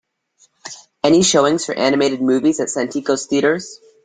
Any showings for animated movies at Santikos Theatres.